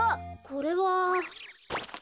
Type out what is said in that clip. これは。